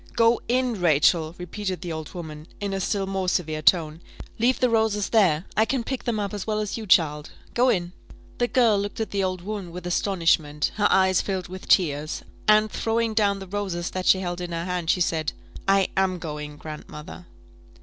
"Go in, Rachel," repeated the old woman, in a still more severe tone; "leave the roses there I can pick them up as well as you, child go in." The girl looked at the old woman with astonishment, her eyes filled with tears, and throwing down the roses that she held in her hand, she said, "I am going, grandmother."